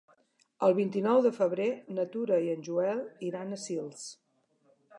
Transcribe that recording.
El vint-i-nou de febrer na Tura i en Joel iran a Sils.